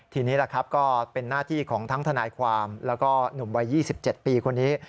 ทีนี้แหละครับก็เป็นหน้าที่ของทั้งทนายความแล้วก็หนุ่มวัย๒๗ปีคนนี้